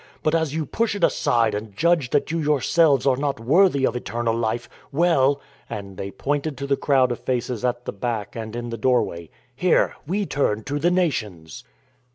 But as you push it aside and judge that you yourselves are not worthy of eternal life, well (and they pointed to the crowd of faces at the back and in the doorway), here, we turn to the Nations."